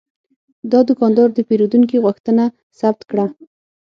دا دوکاندار د پیرودونکي غوښتنه ثبت کړه.